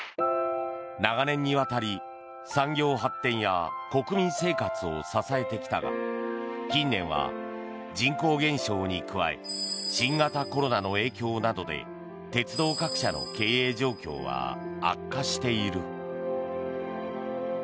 長年にわたり産業発展や国民生活を支えてきたが近年は人口減少に加え新型コロナの影響などで鉄道各社の経営状況は悪化している。